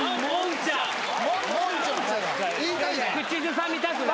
口ずさみたくなる！